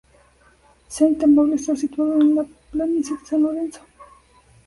Saint-Amable está situado en la planicie de San Lorenzo.